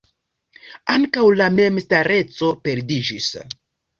Ankaŭ la memstareco perdiĝis.